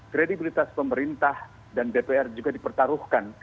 kredibilitas pemerintah dan dpr juga dipertaruhkan